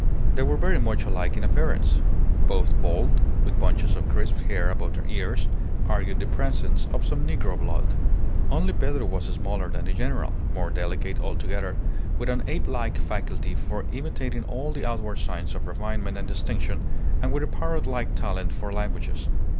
They were very much alike in appearance, both bald, with bunches of crisp hair above their ears, arguing the presence of some negro blood. Only Pedro was smaller than the general, more delicate altogether, with an ape like faculty for imitating all the outward signs of refinement and distinction, and with a parrot like talent for languages.